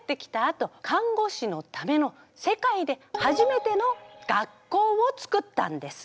あと看護師のための世界で初めての学校をつくったんです。